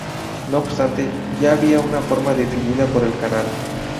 No obstante, ya había una forma definida para el canal.